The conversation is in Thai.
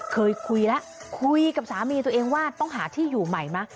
เคยคุยแล้วคุยกับสามีตัวเองว่าต้องหาที่อยู่ใหม่ไหม